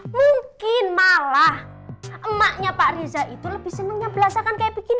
mungkin malah emaknya pak riza itu lebih senengnya berlasakan kayak begini